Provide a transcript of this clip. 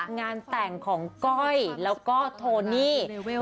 งานแต่งของก้อยแล้วก็โทนี่